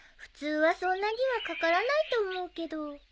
普通はそんなにはかからないと思うけど。